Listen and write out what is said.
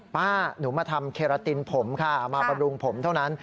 ป้าหนูมาทำเคราตินผมค่ะเอามาบำรุงผมเท่านั้น